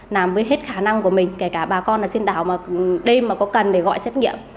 làm với hết khả năng của mình kể cả bà con ở trên đảo mà đêm mà có cần để gọi xét nghiệm